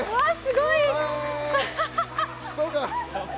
そうか！